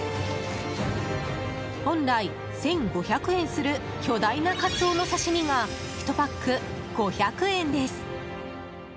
本来１５００円する巨大なカツオの刺し身が１パック５００円です。